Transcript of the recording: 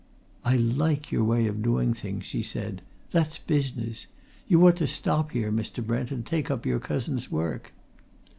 "I like your way of doing things," she said. "That's business. You ought to stop here, Mr. Brent, and take up your cousin's work."